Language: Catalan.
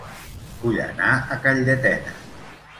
Vull anar a Calldetenes